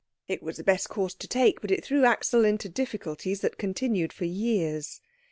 It was the best course to take, but it threw Axel into difficulties that continued for years.